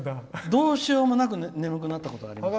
どうしようもなく眠くなったことあります。